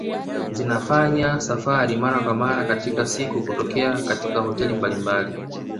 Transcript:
Zinafanya safari mara kwa mara katika siku kutokea katika hoteli mbalimbali